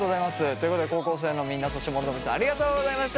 ということで高校生のみんなそして諸富さんありがとうございました。